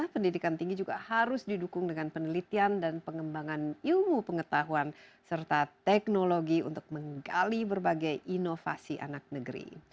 pendidikan tinggi juga harus didukung dengan penelitian dan pengembangan ilmu pengetahuan serta teknologi untuk menggali berbagai inovasi anak negeri